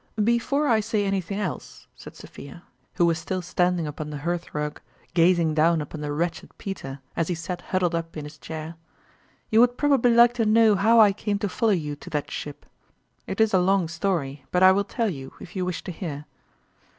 BEFORE I say anything else,' 1 said Sophia, who was still standing upon the hearth rug, gazing down upon the wretched Peter as he sat huddled up in his chair, " you would probably like to know how I came to follow you to that ship. It is a long story, but I will tell you if you wish to hear